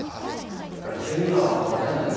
やっぱり急には変われないんだね。